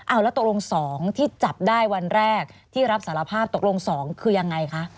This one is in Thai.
เอาแล้วตกลง๒ที่จับได้วันแรกที่รับสารภาพตกลง๒คือยังไงคะ